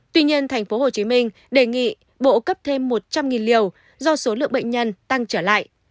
tuy nhiên tp hcm đề nghị bộ cấp thêm một trăm linh liều do số lượng bệnh nhân tăng trở lại